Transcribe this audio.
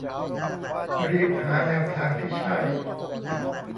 รีบหาแนวทางที่ใช่